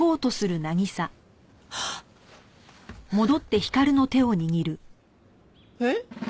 はっ！えっ？